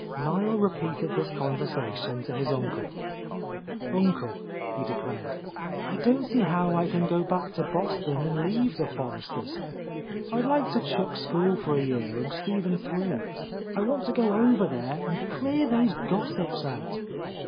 Niel repeated this conversation to his uncle. "Uncle," he declared, "I don't see how I can go back to Boston and leave the Forresters. I'd like to chuck school for a year, and see them through. I want to go over there and clear those gossips out.